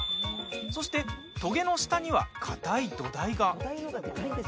そして、とげの下にはかたい土台が。